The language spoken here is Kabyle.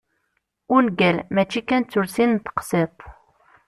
Ungal, mačči kan d tulsin n teqsiṭ.